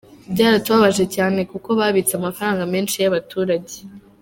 Byaratubabaje cyane kuko babitse amafaranga menshi y’abaturage.